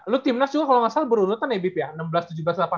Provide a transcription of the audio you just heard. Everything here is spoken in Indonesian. lu timnas juga kalau gak salah berurutan ya